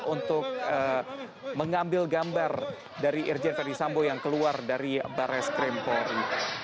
untuk mengambil gambar dari irjen ferdisambo yang keluar dari baris krimpori